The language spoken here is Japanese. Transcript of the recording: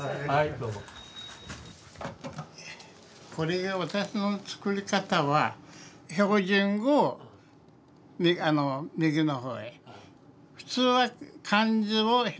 これが私の作り方は標準語を右の方へ。